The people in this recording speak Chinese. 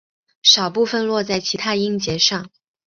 少部分落在其它音节上。